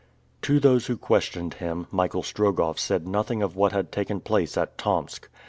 To those who questioned him, Michael Strogoff said nothing of what had taken place at Tomsk.